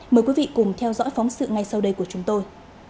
mời quý vị cùng theo dõi phóng sự ngay sau đây của chúng tôi